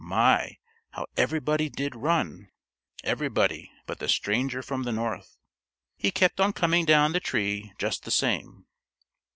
My, how everybody did run, everybody but the stranger from the North. He kept on coming down the tree just the same.